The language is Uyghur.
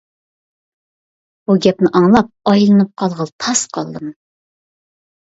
بۇ گەپنى ئاڭلاپ ئايلىنىپ قالغىلى تاس قالدىم.